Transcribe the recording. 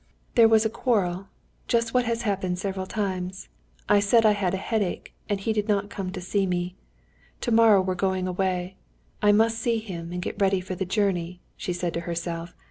"There was a quarrel. Just what has happened several times. I said I had a headache, and he did not come in to see me. Tomorrow we're going away; I must see him and get ready for the journey," she said to herself.